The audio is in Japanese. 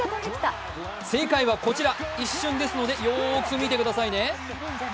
正解はこちら、一瞬ですのでよーく見てくださいね。